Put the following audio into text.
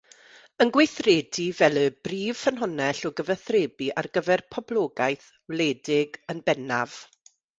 Yn gweithredu fel y brif ffynhonnell o gyfathrebu ar gyfer poblogaeth wledig yn bennaf.